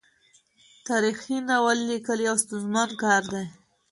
تاریخي ناول لیکل یو ستونزمن کار دی.